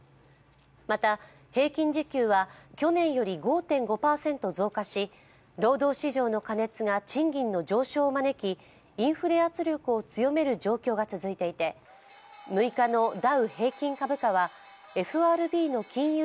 また、平均時給は去年より５．５％増加し、労働市場の過熱が賃金の上昇を招きインフレ圧力を強める状況が続いていて６日のダウ平均株価は、ＦＲＢの金融